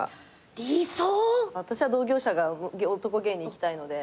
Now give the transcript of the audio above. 私は同業者が男芸人いきたいので。